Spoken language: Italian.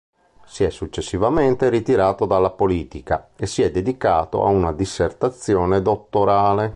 Si è successivamente ritirato dalla politica e si è dedicato a una dissertazione dottorale.